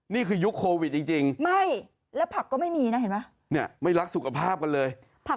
นี่คือยุคโควิดจริงไม่แล้วผักก็ไม่มีนะเห็นไหมเนี่ยไม่รักสุขภาพกันเลยผัก